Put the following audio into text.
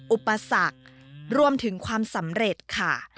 อุปสรรครวมถึงความสำเร็จค่ะ